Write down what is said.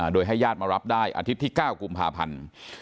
โดยให้ญาติมารับได้อาทิตย์ที่๙กุมภาพันธ์